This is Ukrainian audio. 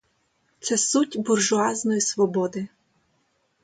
Це суть буржуазної свободи!